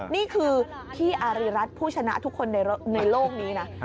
นี่คือพี่อารีรัฐผู้ชนะทุกคนในโลกนี้นะ